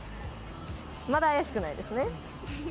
まだ怪しくないですね？